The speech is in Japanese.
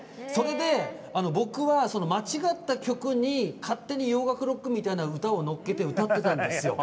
僕は間違った曲に勝手に洋楽ロックみたいな歌を乗っけて歌ったんですよ。